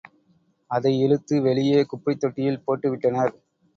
அதை இழுத்து வெளியே குப்பைத் தொட்டியில் போட்டு விட்டனர்.